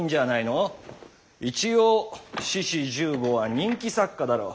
一応志士十五は人気作家だろう。